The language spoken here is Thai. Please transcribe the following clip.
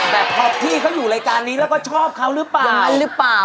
แต่พอพี่เขาอยู่รายการนี้แล้วก็ชอบเขาหรือเปล่าอย่างนั้นหรือเปล่า